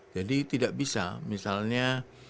jadi tidak bisa misalnya